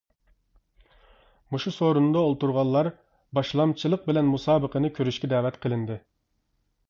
مۇشۇ سورۇندا ئولتۇرغانلار باشلامچىلىق بىلەن مۇسابىقىنى كۆرۈشكە دەۋەت قىلىندى.